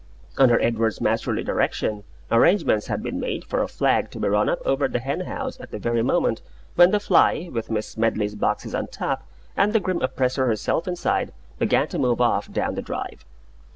Under Edward's masterly direction, arrangements had been made for a flag to be run up over the hen house at the very moment when the fly, with Miss Smedley's boxes on top and the grim oppressor herself inside, began to move off down the drive.